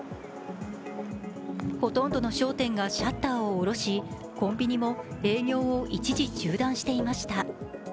ほとんどの商店がシャッターを下ろし、コンビニも営業を一時中断していました。